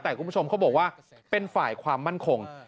แต่คุณผู้ชมเขาบอกว่าเป็นฝ่ายความมั่นคง